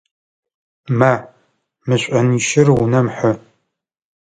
Ма, мы шӏонищыр унэм хьы!